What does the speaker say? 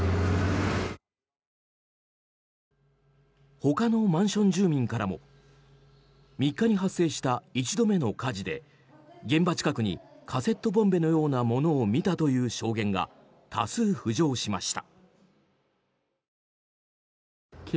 ほかのマンション住民からも３日に発生した１度目の火事で現場近くにカセットボンベのようなものを見たという証言が多数、浮上しました。